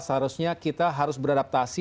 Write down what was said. seharusnya kita harus beradaptasi